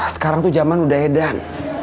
sekarang tuh zaman udah hedan